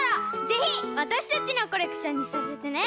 ぜひわたしたちのコレクションにさせてね！